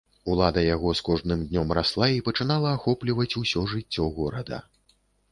Улада яго з кожным днём расла і пачынала ахопліваць усё жыццё горада.